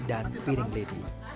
dan piring ledi